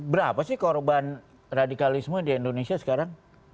berapa sih korban radikalisme di indonesia sekarang